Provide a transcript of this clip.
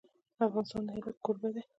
افغانستان د هرات کوربه دی.